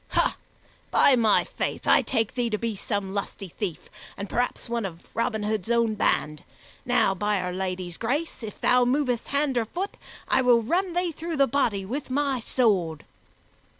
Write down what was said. Ha! By my faith, I take thee to be some lusty thief, and perhaps one of Robin Hood's own band! Now, by Our Lady's grace, if thou movest hand or foot, I will run thee through the body with my sword!"